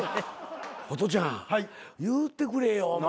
ホトちゃん言うてくれよお前。